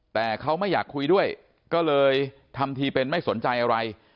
แต่เขาไม่อยากคุยด้วยก็เลยทำทีเป็นไม่สนใจอะไร